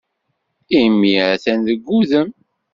Imi atan deg wudem.